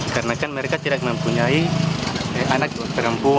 karena mereka tidak mempunyai anak itu